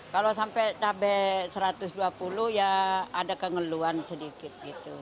kalau sampai tabai rp satu ratus dua puluh ya ada kengeluan sedikit